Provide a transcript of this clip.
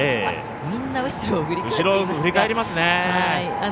みんな後ろを振り返っていますね。